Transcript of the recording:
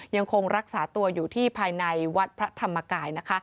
ยังคงรักษาตัวอยู่ที่ภายในวัดพระธรรมกาย